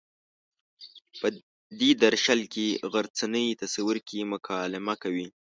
په دې درشل کې غرڅنۍ تصور کې مکالمه کوي.